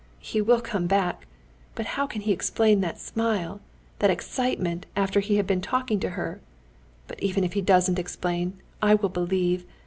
"He will come back. But how can he explain that smile, that excitement after he had been talking to her? But even if he doesn't explain, I will believe.